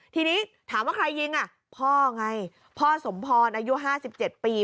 ทีนี้ถามว่าใครยิงอ่ะพ่อไงพ่อสมพรอายุ๕๗ปี